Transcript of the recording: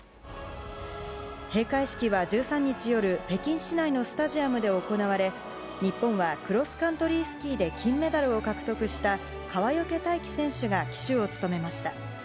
閉会式は１３日夜北京市内のスタジアムで行われ日本はクロスカントリースキーで金メダルを獲得した川除大輝選手が旗手を務めました。